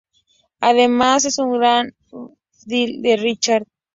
Además es un gran fan de Cliff Richard.